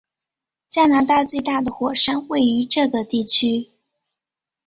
加拿大最大的火山位于这个地区。